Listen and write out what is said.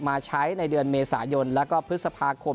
มาใช้ในเดือนเมษายนแล้วก็พฤษภาคม